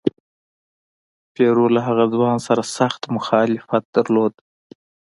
پیرو له هغه ځوان سره سخت مخالفت درلود.